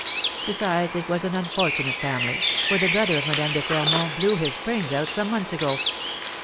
Besides, it was an unfortunate family, for the brother of Madame de Fermont blew his brains out some months ago."